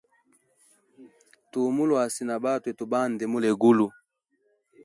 Tua mu luasi, na batwe tu bande mulwegulu.